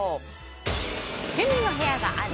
趣味の部屋がある？